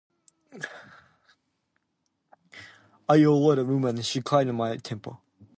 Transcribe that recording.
"I loathe women," she cried in a mild temper.